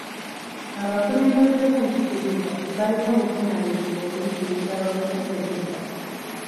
Abakulembeze b'enzikiriza balina obuvunaanyizibwa okuyigiriza abavubuka empisa.